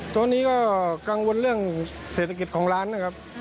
ตอนนี้ก็กังวลเรื่องเศรษฐกิจของร้านนะครับ